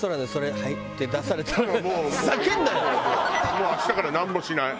もう明日からなんもしない。